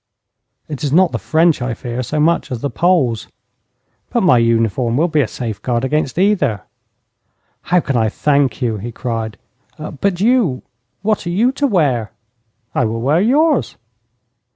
'It is not the French I fear so much as the Poles.' 'But my uniform will be a safeguard against either.' 'How can I thank you?' he cried. 'But you what are you to wear?' 'I will wear yours.'